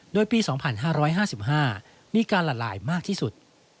โดยปี๒๕๕๕มีการละลายมากที่สุด